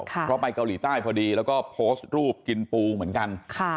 เพราะไปเกาหลีใต้พอดีแล้วก็โพสต์รูปกินปูเหมือนกัน